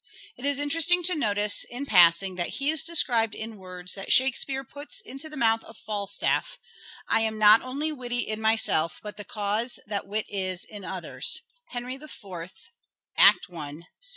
It is interesting to notice in passing that he is described in words that Shakespeare puts into the mouth of Falstaff, " I am not only witty in myself but the cause that wit is in others " (n Henry IV, i, 2).